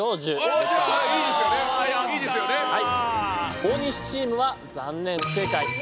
大西チームは残念不正解。